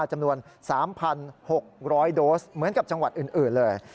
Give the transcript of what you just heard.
จำนวน๓๖๐๐โดสเหมือนกับจังหวัดอื่นเลย